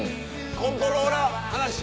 コントローラー離し。